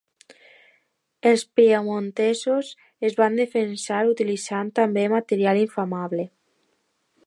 Els piemontesos es van defensar utilitzant també material inflamable.